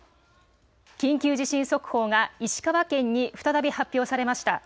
緊急地震速報が石川県に再び発表されました。